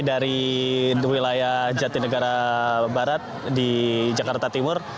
dari wilayah jatinegara barat di jakarta timur